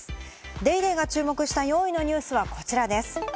『ＤａｙＤａｙ．』が注目した４位のニュースはこちらです。